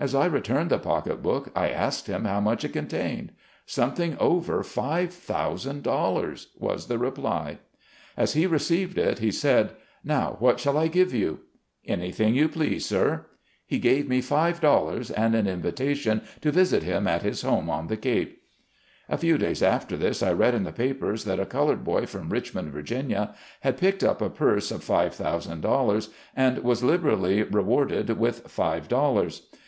As I returned the pocket book I asked him how much it contained. " Something over five thousand dollars," was the reply. As he received it, he said, "Now, what shall I give you?" "Anything you please, sir." He gave me five dollars and an invitation to visit him at his home on the Cape. A few days after this I read in the papers that a colored boy from Richmond, Va., had picked up a purse of five thousand dollars, and was liberally rewarded with five dollars.